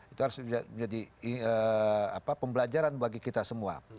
itu harus menjadi pembelajaran bagi kita semua